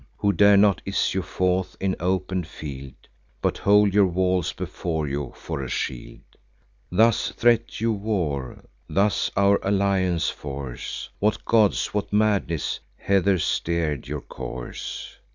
Who dare not issue forth in open field, But hold your walls before you for a shield. Thus treat you war? thus our alliance force? What gods, what madness, hither steer'd your course?